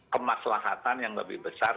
kemaslahatan yang lebih besar